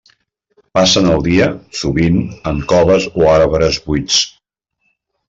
Passen el dia, sovint, en coves o arbres buits.